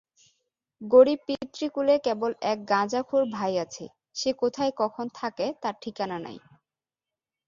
গরিব পিতৃকুলে কেবল এক গাঁজাখের ভাই আছে, সে কোথায় কখন থাকে-তার ঠিকানা নাই।